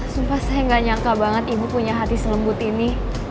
sumpah saya nggak nyangka banget ibu punya hati selembut ini